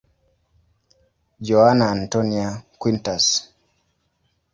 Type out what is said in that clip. Joana Antónia Quintas.